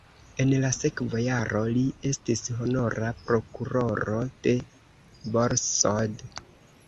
En la sekva jaro li estis honora prokuroro de Borsod.